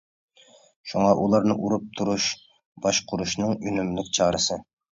شۇڭا ئۇلارنى ئۇرۇپ تۇرۇش باشقۇرۇشنىڭ ئۈنۈملۈك چارىسى.